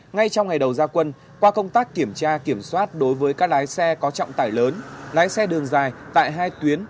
ngay trong ngày đầu gia quân qua công tác kiểm tra kiểm soát đối với các lái xe có trọng tải lớn lái xe đường dài tại hai tuyến